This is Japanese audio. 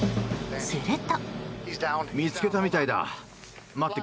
すると。